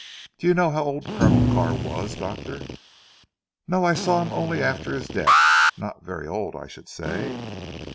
Do you know how old Colonel Carr was, doctor?" "No! I saw him only after his death. Not very old I should say."